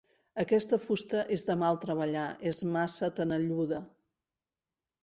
Aquesta fusta és de mal treballar: és massa tenelluda.